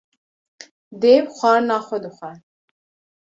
Dêw xwarina xwe dixwe